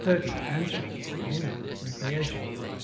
30. Angelus. Dinner. Recreation.